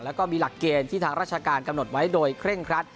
แล้วก็มีหลักเกณฑ์ที่ทางราชการกำหนดไว้โดยเคร่งครัด